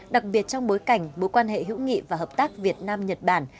đặc biệt trong bối cảnh mối quan hệ hữu nghị và hợp tác việt nam nhật bản